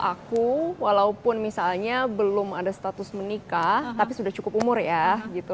aku walaupun misalnya belum ada status menikah tapi sudah cukup umur ya gitu